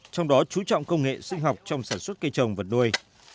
trong đó chú trọng công nghệ sinh học trong sản xuất cây trồng vật nuôi